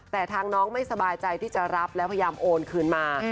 แต่ทางน้องไม่สบายใจที่จะรับแล้วพยายามโอนคืนมา